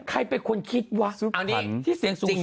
ใครเป็นคนคิดวะสุภัณฑ์ที่เสียงสูง